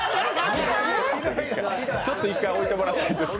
ちょっと１回置いてもらっていいですか？